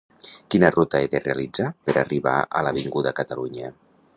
Quina ruta he de realitzar per arribar a l'Avinguda Catalunya?